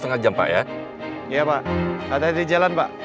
terima kasih banyak pak